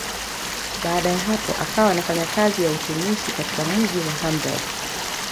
Baada ya hapo akawa anafanya kazi ya utumishi katika mji wa Hamburg.